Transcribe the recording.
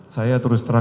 saya terus terang